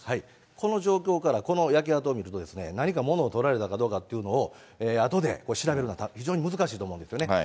この状況から、この焼け跡を見ると、何か物をとられたかどうかっていうのをあとで調べるのは非常に難しいと思うんですよね。